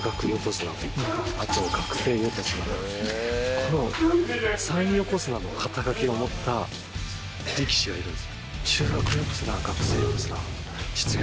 この３横綱の肩書を持った力士がいるんですよ。